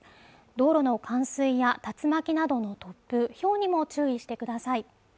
道路の冠水や竜巻などの突風ひょうにも注意してください